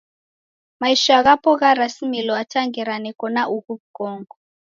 Maisha ghapo gharasimilo hata ngera neko na ughu w'ukongo.